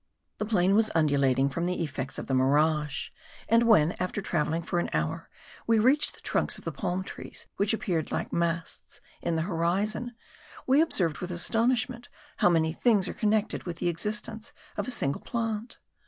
The plain was undulating from the effects of the mirage; and when, after travelling for an hour, we reached the trunks of the palm trees, which appeared like masts in the horizon, we observed with astonishment how many things are connected with the existence of a single plant.